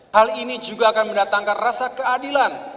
hal ini juga akan mendatangkan rasa keadilan